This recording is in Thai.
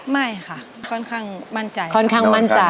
ไม่ค่ะค่อนข้างมั่นใจ